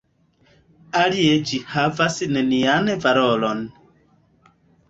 Alie ĝi havas nenian valoron.